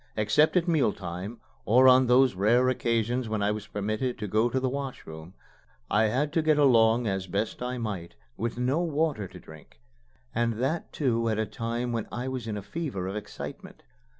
Except at meal time, or on those rare occasions when I was permitted to go to the wash room, I had to get along as best I might with no water to drink, and that too at a time when I was in a fever of excitement.